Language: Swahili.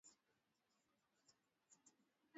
kulingana na umoja wa mataifa